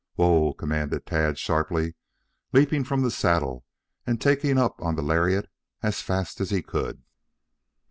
"Whoa!" commanded Tad sharply, leaping from the saddle and taking up on the lariat as fast as he could.